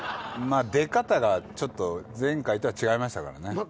出方がちょっと前回とは違いましたからね。